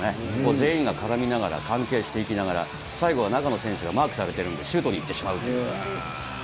全員が絡みながら、関係していきながら、最後は中の選手がマークされてるんで、シュートに行ってしまうという。